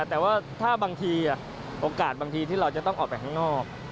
แต่ว่าถ้าบางทีโอกาสบางทีที่เราจะต้องออกไปข้างนอก